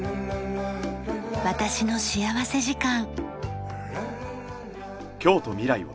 『私の幸福時間』。